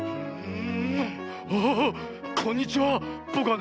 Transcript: うん？